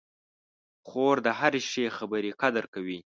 خور د هرې ښې خبرې قدر کوي.